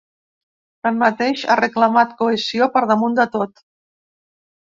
Tanmateix, ha reclamat cohesió per damunt de tot.